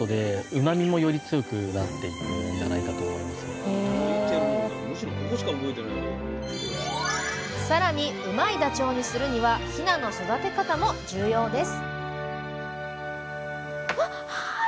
ここ更にうまいダチョウにするにはヒナの育て方も重要です